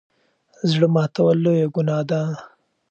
زړه ماتول لويه ګناه ده.